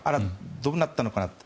どうなったのかなと。